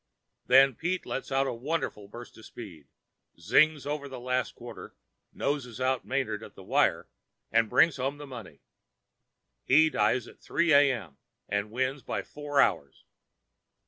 Then Pete lets out a wonderful burst of speed, 'zings' over the last quarter, noses out Manard at the wire, and brings home the money. He dies at 3 A.M. and wins by four hours.